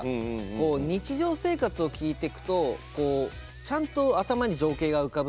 こう日常生活を聞いてくとこうちゃんと頭に情景が浮かぶというか。